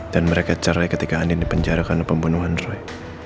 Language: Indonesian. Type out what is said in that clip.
dan mereka cerai ketika andin dipenjara karena pembunuhan roy